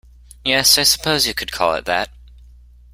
Yes, I suppose you could call it that.